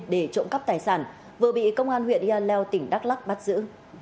để trộm cắp tài sản vừa bị công an huyện yaleo tỉnh đắk lắc bắt giữ